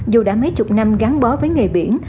dù đã mấy chục năm gắn bó với nghề biển